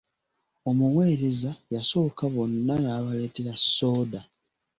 Omuweereza yasooka bonna n'abaleetera sooda.